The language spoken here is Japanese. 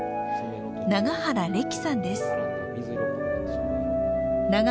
永原レキさんです。